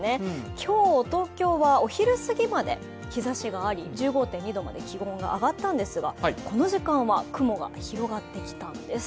今日、東京はお昼過ぎまで日ざしがあり、１５．２度まで気温が上がったんですがこの時間は雲が広がってきたんです。